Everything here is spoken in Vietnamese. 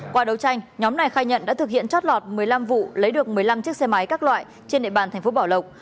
qua đấu tranh nhóm này khai nhận đã thực hiện trót lọt một mươi năm vụ lấy được một mươi năm chiếc xe máy các loại trên hệ bản tp bảo lộc